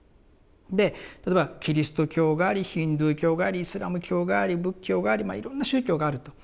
で例えばキリスト教がありヒンズー教がありイスラム教があり仏教がありまあいろんな宗教があると。